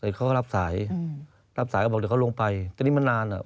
เขาก็รับสายอืมรับสายก็บอกเดี๋ยวเขาลงไปแต่นี่มันนานอ่ะ